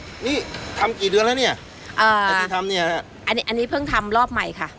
ทั้งแต่นี่ทำกี่เดือนแล้วเนี่ยอ่าอันนี้เพิ่งทำรอบใหม่ค่ะ